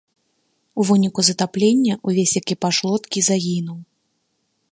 У выніку затаплення ўвесь экіпаж лодкі загінуў.